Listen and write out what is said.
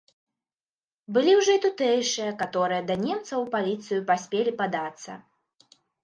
Былі ўжо і тутэйшыя, каторыя да немцаў у паліцыю паспелі падацца.